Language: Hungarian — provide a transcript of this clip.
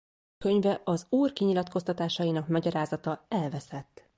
Könyve az ’Úr kinyilatkoztatásainak magyarázata’ elveszett.